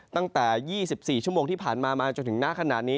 ตั้งแต่๒๔ชั่วโมงที่ผ่านมามาจนถึงหน้าขนาดนี้